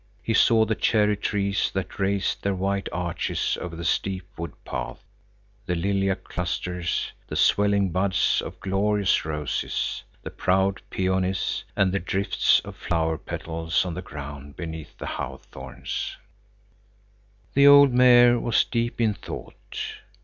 He saw the cherry trees that raised their white arches over the steep wood path, the lilac clusters, the swelling buds of glorious roses, the proud peonies, and the drifts of flower petals on the ground beneath the hawthorns. The old Mayor was deep in thought.